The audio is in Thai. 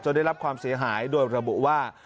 ได้รับความเสียหายโดยระบุว่า